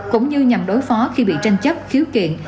cũng như nhằm đối phó khi bị tranh chấp khiếu kiện